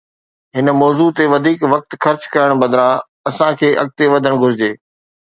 هن موضوع تي وڌيڪ وقت خرچ ڪرڻ بدران، اسان کي اڳتي وڌڻ گهرجي.